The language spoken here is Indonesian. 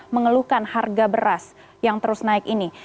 mengeluhkan harga beras yang terus naik ini